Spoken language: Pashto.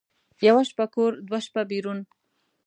یوه شپه کور، دوه شپه بېرون.